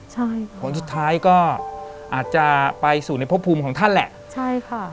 ใช่ผลสุดท้ายก็อาจจะไปสู่ในพบภูมิของท่านแหละใช่ค่ะ